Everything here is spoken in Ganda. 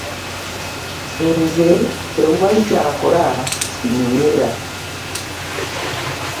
Nze tewali ky'akola kinnyumira.